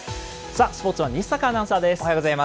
さあ、スポーツは西阪アナウンサーです。